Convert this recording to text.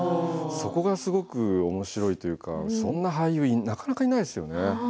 そこがすごくおもしろいというかそういう俳優は、なかなかいないんですよね。